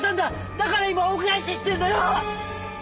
だから今恩返ししてるんだよ。